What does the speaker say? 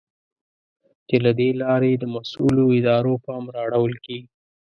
چې له دې لارې د مسؤلو ادارو پام را اړول کېږي.